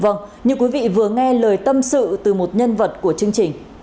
vâng như quý vị vừa nghe lời tâm sự từ một nhân vật của chương trình